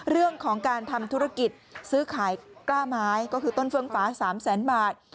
เรื่องของการทำธุรกิจซื้อขายกล้าไม้ก็คือต้นเฟืองฟ้า๓แสนบาท